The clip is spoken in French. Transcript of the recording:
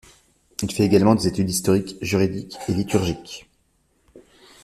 Il fait également des études historiques, juridiques et liturgiques.